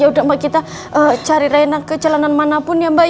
yaudah mbak kita cari renna ke jalanan mana pun ya mbak iya